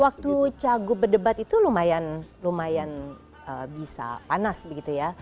waktu cagup berdebat itu lumayan bisa panas begitu ya